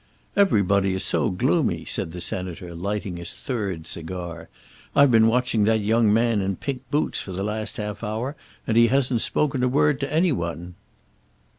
"Everybody is so gloomy," said the Senator, lighting his third cigar. "I've been watching that young man in pink boots for the last half hour, and he hasn't spoken a word to any one."